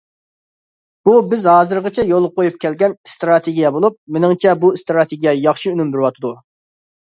بۇ بىز ھازىرغىچە يولغا قويۇپ كەلگەن ئىستراتېگىيە بولۇپ، مېنىڭچە بۇ ئىستراتېگىيە ياخشى ئۈنۈم بېرىۋاتىدۇ.